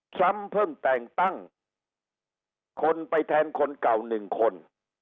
ซ้ำเพิ่งแต่งตั้งคนไปแทนคนเก่าหนึ่งคน